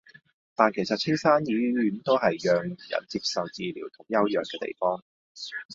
但其實青山醫院都係讓人接受治療同休養嘅地方